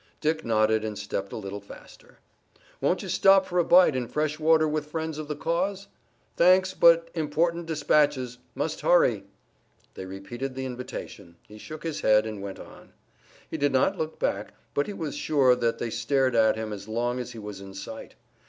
Dick nodded and stepped a little faster. "Won't you stop for a bite and fresh water with friends of the cause?" "Thanks, but important dispatches. Must hurry." They repeated the invitation. He shook his head, and went on. He did not look back, but he was sure that they stared at him as long as he was in sight.